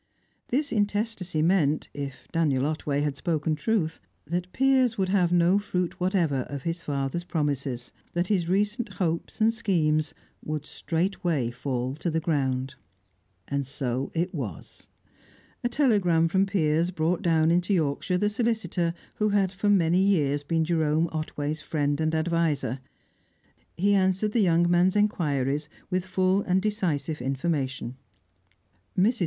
This intestacy meant (if Daniel Otway had spoken truth) that Piers would have no fruit whatever of his father's promises; that his recent hopes and schemes would straightway fall to the ground. And so it was. A telegram from Piers brought down into Yorkshire the solicitor who had for many years been Jerome Otway's friend and adviser; he answered the young man's inquiries with full and decisive information. Mrs.